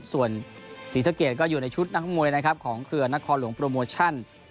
ส่วนศรีสะเกดก็อยู่ในชุดนักมวยนะครับของเครือนครหลวงโปรโมชั่น